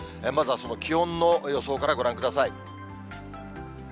まずはその気温の予想からご覧ください。